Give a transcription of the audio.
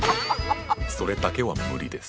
それだけは無理です。